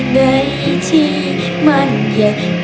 และที่มันจะยังเต้น